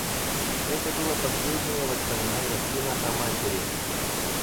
Это было последнее воспоминание сына о матери.